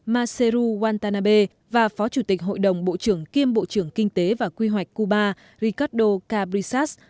masaru watanabe và phó chủ tịch hội đồng bộ trưởng kiêm bộ trưởng kinh tế và quy hoạch cuba ricardo cabrisas